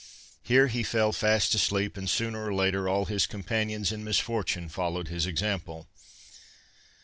Here he fell fast asleep, and sooner or later all his companions in misfortune followed his example.